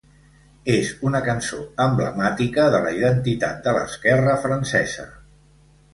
És una cançó emblemàtica de la identitat de l'esquerra francesa.